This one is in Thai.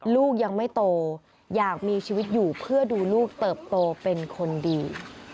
ลูกยังไม่โตอยากมีชีวิตอยู่เพื่อดูลูกเติบโตเป็นคนดี